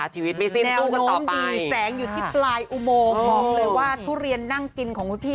จะทำยังไง